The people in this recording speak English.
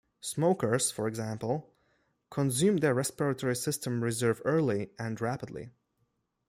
Smokers, for example, consume their respiratory system reserve early and rapidly.